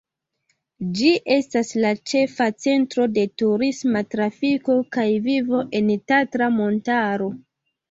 Ĝi estas la ĉefa centro de turisma trafiko kaj vivo en Tatra-montaro.